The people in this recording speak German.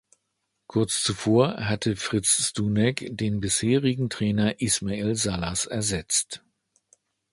Kurz zuvor hatte Fritz Sdunek den bisherigen Trainer Ismael Salas ersetzt.